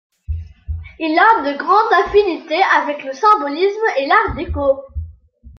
Il a de grandes affinités avec le symbolisme et l'art déco.